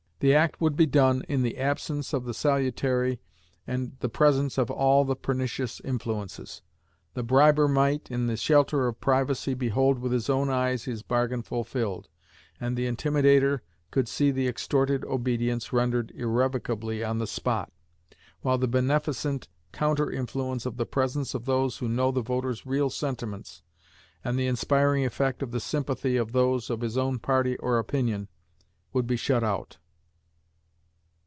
The act would be done in the absence of the salutary and the presence of all the pernicious influences. The briber might, in the shelter of privacy, behold with his own eyes his bargain fulfilled, and the intimidator could see the extorted obedience rendered irrevocably on the spot; while the beneficent counter influence of the presence of those who knew the voter's real sentiments, and the inspiring effect of the sympathy of those of his own party or opinion, would be shut out.